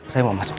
saya mau masuk